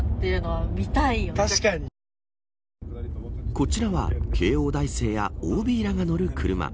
こちらは慶応大生やＯＢらが乗る車。